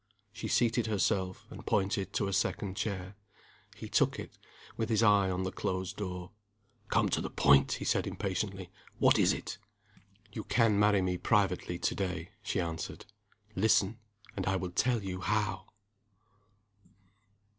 She seated herself, and pointed to a second chair. He took it with his eye on the closed door. "Come to the point!" he said, impatiently. "What is it?" "You can marry me privately to day," she answered. "Lis ten and I will tell you how!"